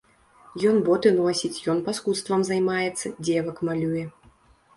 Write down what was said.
Ён боты носіць, ён паскудствам займаецца, дзевак малюе.